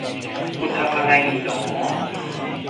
คุณทำอะไรอยู่หนอ ?